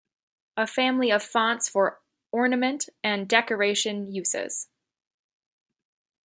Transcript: A family of fonts for ornament and decoration uses.